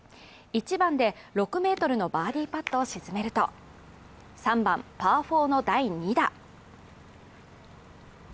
１番で６ｍのバーディーパットを沈めると、３番パー４の第２打。